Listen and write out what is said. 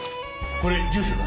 これ住所だ。